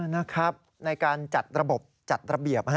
นะครับในการจัดระบบจัดระเบียบ